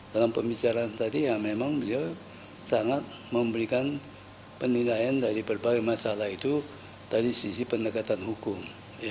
dalam pembicaraan tadi ya memang beliau sangat memberikan penilaian dari berbagai masalah itu dari sisi pendekatan hukum